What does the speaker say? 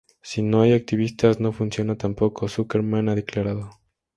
Si no hay activistas, no funciona tampoco", Zuckerman ha declarado.